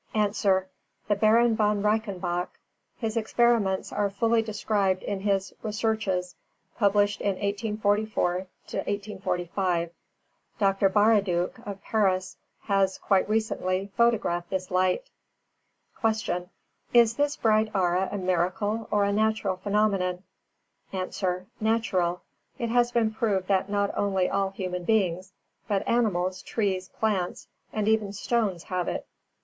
_ A. The Baron Von Reichenbach. His experiments are fully described in his Researches, published in 1844 5. Dr. Baraduc, of Paris, has, quite recently, photographed this light. 346. Q. Is this bright aura a miracle or a natural phenomenon? A. Natural. It has been proved that not only all human beings but animals, trees, plants and even stones have it.